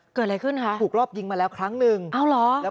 เกิดอะไรขึ้นคะถูกรอบยิงมาแล้วครั้งหนึ่งอ้าวเหรอแล้ว